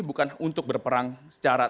bukan untuk berperang secara